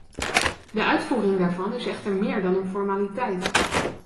De uitvoering daarvan is echter meer dan een formaliteit.